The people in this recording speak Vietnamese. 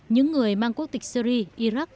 những người mang quốc tịch syri iraq